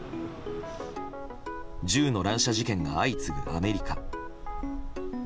銃の乱射事件が相次ぐアメリカ。